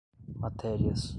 matérias